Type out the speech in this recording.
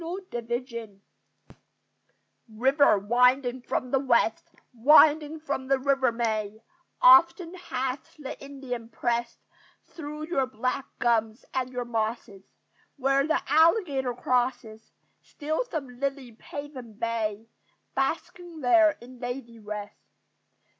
THE OCKLAWAHA River, winding from the west, Winding from the River May, Often hath the Indian pressed Through your black gums and your mosses, Where the alligator crosses Still some lily paven bay, Basking there in lazy rest.